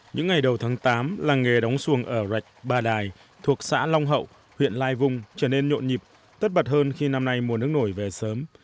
những ngày đầu tháng tám làng nghề đóng xuồng ở rạch bà đài thuộc xã long hậu huyện lai vung trở nên nhộn nhịp tất bật hơn khi năm nay mùa nước nổi về sớm